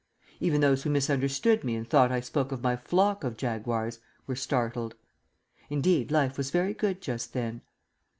Even those who misunderstood me and thought I spoke of my "flock of jaguars" were startled. Indeed life was very good just then.